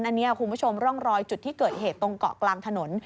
อันนี้คุณผู้ชมร่องรอยจุดที่เกิดเหตุตรงเกาะกลางถนน